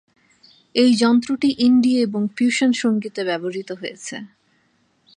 এই যন্ত্রটি ইন্ডি এবং ফিউশন সংগীতে ব্যবহৃত হয়েছে।